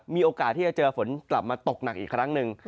มีโอกาสที่จะเจอฝนกลับมาตกหนักอีกครั้งหนึ่ง